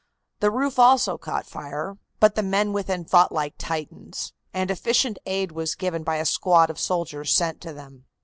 The roof also caught fire, but the men within fought like Titans, and efficient aid was given by a squad of soldiers sent to them.